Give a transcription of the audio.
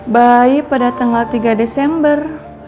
bayi pada tanggal tiga desember